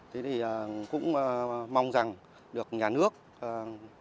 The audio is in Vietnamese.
thế thì cũng mong rằng được nhà nước quan tâm